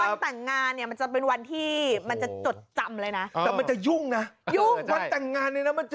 วันต่างงานมันจะเป็นวันที่มันจะจดจำเลยนะ